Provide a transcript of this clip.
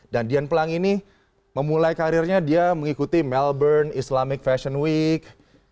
dan dian pelangi ini memulai karirnya dia mengikuti melbourne islamic fashion week